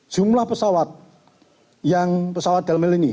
jumlah pesawat yang pesawat dalam hal ini